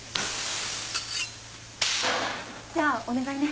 じゃあお願いね。